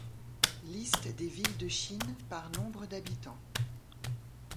Liste des villes de Chine par nombre d'habitants.